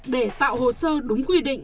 để tạo hồ sơ đúng quy định